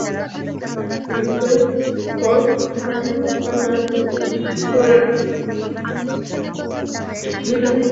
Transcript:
পরে তাঁরা ব্যাংকের ক্লোজ সার্কিট ক্যামেরায় দুই চোরের ভিডিও ফুটেজ পান।